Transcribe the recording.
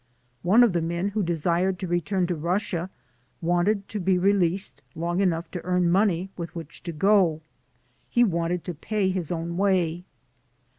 One of the men who desired to return to Russia wanted to be released long enough to earn money with which to go. He wanted to pay his own way.